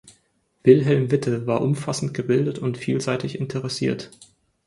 Wilhelm Witte war umfassend gebildet und vielseitig interessiert.